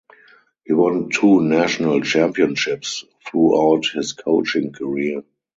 He won two national championships throughout his coaching career.